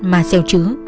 mà xeo chứa